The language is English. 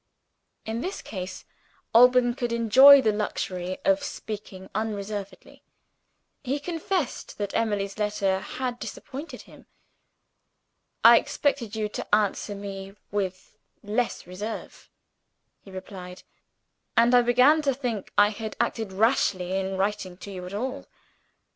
In this case, Alban could enjoy the luxury of speaking unreservedly. He confessed that Emily's letter had disappointed him. "I expected you to answer me with less reserve," he replied; "and I began to think I had acted rashly in writing to you at all.